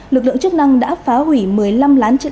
lực lượng chức năng đã phá hủy một mươi năm lán chạy